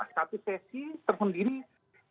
satu sesi terhendiri di muktamar